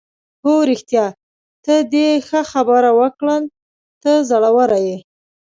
هو رښتیا، ته دې ښه خبره وکړل، ته زړوره یې.